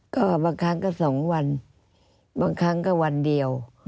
ก็บางครั้งก็๒วันบางครั้งก็วันเดียว